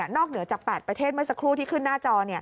เหนือจาก๘ประเทศเมื่อสักครู่ที่ขึ้นหน้าจอ